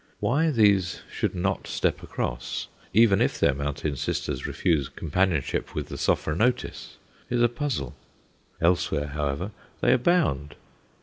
Why these should not step across, even if their mountain sisters refuse companionship with the Sophronitis, is a puzzle. Elsewhere, however, they abound.